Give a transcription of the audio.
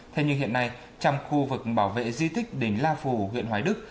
thế nhưng hiện nay trong khu vực bảo vệ di tích đến la phủ huyện hoài đức